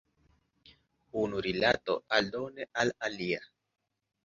Unu rilato aldone al alia.